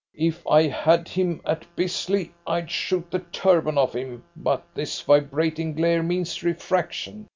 If I had him at Bisley I'd shoot the turban off him, but this vibrating glare means refraction.